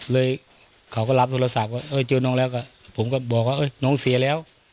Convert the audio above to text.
เขาก็รับโทรศัพท์ว่าเออเจอน้องแล้วก็ผมก็บอกว่าน้องเสียแล้ว